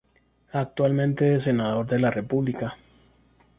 Actualmente es senador de la república.